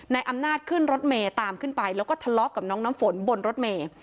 อำนาจขึ้นรถเมย์ตามขึ้นไปแล้วก็ทะเลาะกับน้องน้ำฝนบนรถเมย์